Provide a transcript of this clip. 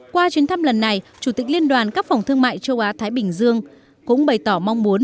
qua chuyến thăm lần này chủ tịch liên đoàn các phòng thương mại châu á thái bình dương cũng bày tỏ mong muốn